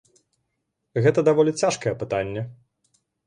Гэта даволі цяжкае пытанне.